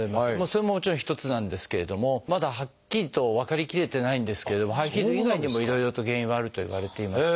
それももちろん一つなんですけれどもまだはっきりと分かりきれてないんですけれどもハイヒール以外にもいろいろと原因はあるといわれています。